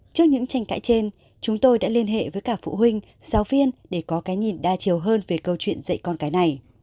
trước những tranh cãi trên chúng tôi đã liên hệ với cả phụ huynh giáo viên để có cái nhìn đa chiều hơn về câu chuyện dạy con cái này